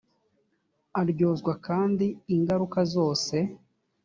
aryozwa kandi ingaruka zose.